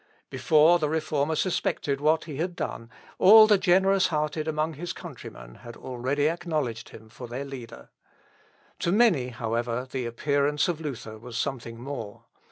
Before the Reformer suspected what he had done, all the generous hearted among his countrymen had already acknowledged him for their leader. To many, however, the appearance of Luther was something more.